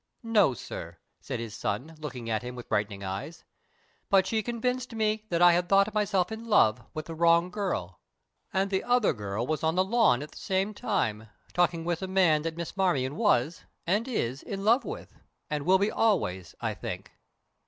"No, sir," said his son, looking at him with brightening eyes; "but she convinced me that I had thought myself in love with the wrong girl and the other girl was on the lawn at the same time, talking with the man that Miss Marmion was, and is in love with, and will be always, I think."